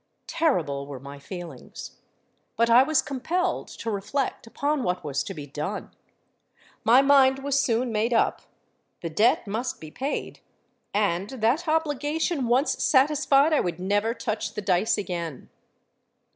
Terrible were my feelings. But I was compelled to reflect upon what was to be done. My mind was soon made up. The debt must be paid; and, that obligation once satisfied, I would never touch the dice again!